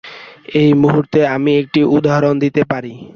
এই মুহূর্তে আমি একটি উদাহরণ দিতে পারি।